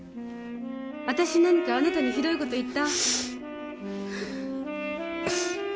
私何かあなたにひどいこと言った？